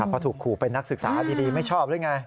เพราะถูกขู่เป็นนักศึกษาดีไม่ชอบหรือไง